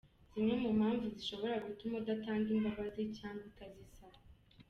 Zimwe mu mpamvu zishobora gutuma udatanga imbabazi cyangwa utazisaba.